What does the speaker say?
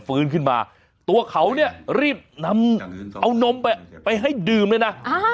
ฟื้นขึ้นมาตัวเขาเนี่ยรีบนำเอานมไปไปให้ดื่มเลยนะ